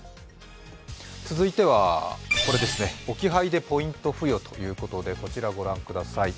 続いては置き配でポイント付与ということでこちらご覧ください。